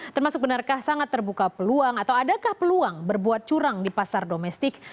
termasuk benarkah sangat terbuka peluang atau adakah peluang berbuat curang di pasar domestik